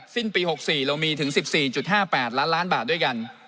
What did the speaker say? สิ้นปี๖๔เรามีถึง๑๔๕๘ล้านล้านบาทด้วยกัน